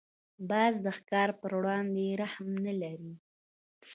باز د ښکار پر وړاندې رحم نه لري